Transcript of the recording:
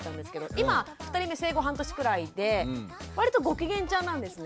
今２人目生後半年くらいで割とご機嫌ちゃんなんですね。